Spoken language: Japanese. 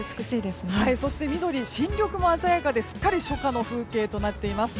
そして緑、新緑も鮮やかですっかり初夏の風景となっています。